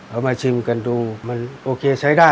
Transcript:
มาชิมกันดูมันโอเคใช้ได้